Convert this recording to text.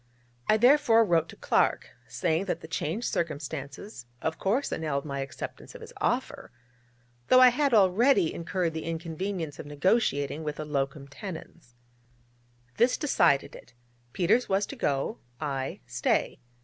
I therefore wrote to Clark, saying that the changed circumstances of course annulled my acceptance of his offer, though I had already incurred the inconvenience of negotiating with a locum tenens. This decided it: Peters was to go, I stay.